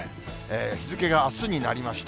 日付があすになりました。